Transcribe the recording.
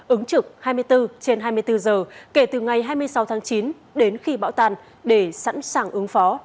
ứng trực hai mươi bốn trên hai mươi bốn giờ kể từ ngày hai mươi sáu tháng chín đến khi bão tan để sẵn sàng ứng phó